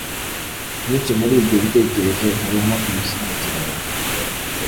Byinshi muri ibyo bitekerezo harimo ibishyigikira Leta